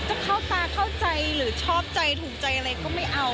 จะเข้าตาเข้าใจหรือชอบใจถูกใจอะไรก็ไม่เอา